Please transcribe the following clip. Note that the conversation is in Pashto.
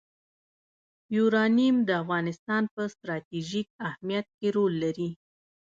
یورانیم د افغانستان په ستراتیژیک اهمیت کې رول لري.